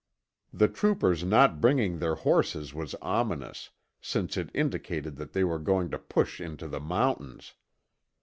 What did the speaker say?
The troopers not bringing their horses was ominous, since it indicated that they were going to push into the mountains.